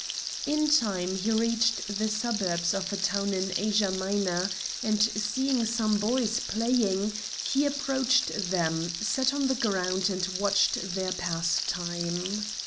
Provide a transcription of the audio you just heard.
In time he reached the suburbs of a town in Asia Minor, and seeing some boys playing, he approached them, sat on the ground, and watched their pastime.